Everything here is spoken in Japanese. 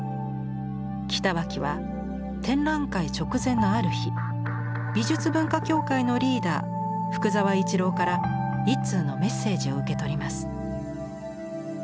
北脇は展覧会直前のある日美術文化協会のリーダー福沢一郎から一通のメッセージを受け取ります。